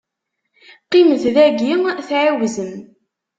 Qqimet dagi tɛiwzem.